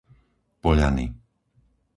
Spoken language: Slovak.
Poľany